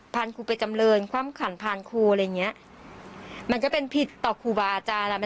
ครูไปจำเรินคว่ำขันพานครูอะไรอย่างเงี้ยมันก็เป็นผิดต่อครูบาอาจารย์ล่ะ